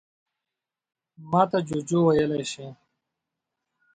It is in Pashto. _ماته جُوجُو ويلی شې.